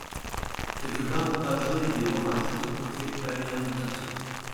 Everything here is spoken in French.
Quelques bars ombragés et des bancs ajoutent aux côtés balnéaire du quartier.